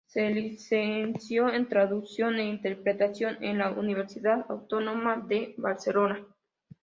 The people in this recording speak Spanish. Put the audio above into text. Se licenció en Traducción e Interpretación en la Universidad Autónoma de Barcelona.